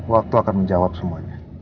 waktu akan menjawab semuanya